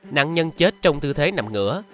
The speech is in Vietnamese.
nạn nhân chết trong tư thế nằm ngửa